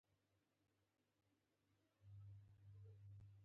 د روغتیا لپاره طبیعي خواړه غوره دي